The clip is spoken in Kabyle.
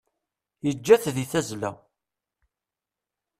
Yeǧǧa-t di tazzla.